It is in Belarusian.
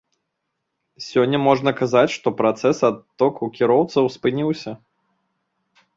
Сёння можна казаць, што працэс адтоку кіроўцаў спыніўся.